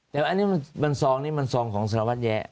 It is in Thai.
แต่อันนี้มันซองนี้มันซองของสารวัตรแยะ